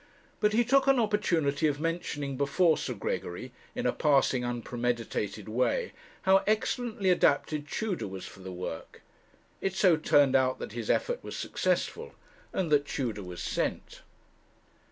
But he took an opportunity of mentioning before Sir Gregory, in a passing unpremeditated way, how excellently adapted Tudor was for the work. It so turned out that his effort was successful, and that Tudor was sent.